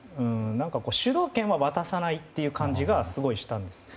主導権は渡さないという感じがすごいしたんです。